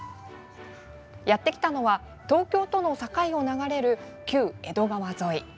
やってきたのは東京との境を流れる旧江戸川沿い。